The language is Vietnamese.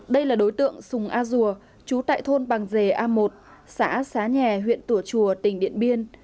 đây là đối tượng sùng a dùa chú tại thôn bằng dề a một xã xá nhà huyện tủa chùa tỉnh điện biên